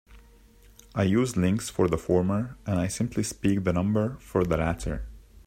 I use "links" for the former and I simply speak the number for the latter.